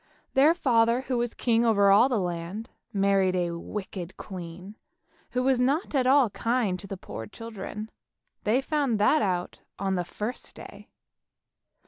Their father, who was king over all the land, married a wicked queen who was not at all kind to the poor children; they found that out on the first day.